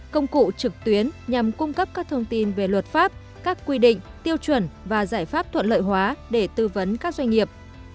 công cụ trực tuyến nhằm cung cấp các thông tin về luật pháp các quy định tiêu chuẩn và giải pháp thuận lợi hóa để tư vấn các doanh nghiệp